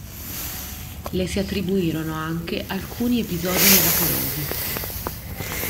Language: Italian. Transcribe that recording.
Le si attribuirono anche alcuni episodi miracolosi.